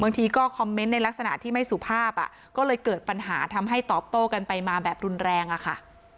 บางทีก็คอมเมนต์ในลักษณะที่ไม่สุภาพอ่ะก็เลยเกิดปัญหาทำให้ตอบโต้กันไปมาแบบรุนแรงอะค่ะ